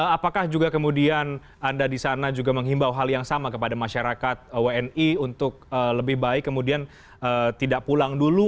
apakah juga kemudian anda di sana juga menghimbau hal yang sama kepada masyarakat wni untuk lebih baik kemudian tidak pulang dulu